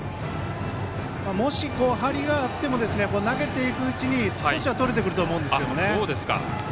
もし、張りがあっても投げていくうちに少しは、とれてくると思うんですけどもね。